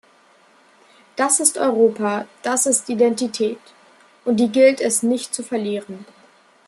Das ist Europa, das ist Identität – und die gilt es nicht zu verlieren.